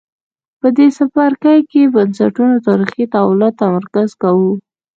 په دې څپرکي کې بنسټونو تاریخي تحولاتو تمرکز کوو.